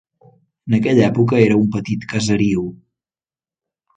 En aquella època, era un petit caseriu.